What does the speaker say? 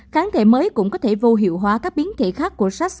kháng thể mới cũng có thể vô hiệu hóa các biến thể khác